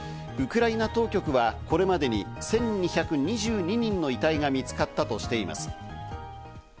ウクライナ当局はこれまでに１２２２人の遺体が見つかったとしています。